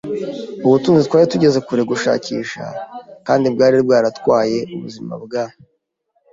ubutunzi twari tugeze kure gushakisha kandi bwari bwaratwaye ubuzima bwa